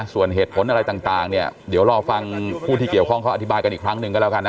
ส่วนเหตุผลอะไรต่างเนี่ยเดี๋ยวรอฟังผู้ที่เกี่ยวข้องเขาอธิบายกันอีกครั้งหนึ่งก็แล้วกันนะ